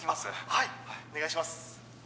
はいお願いします